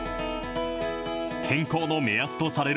健康の目安とされる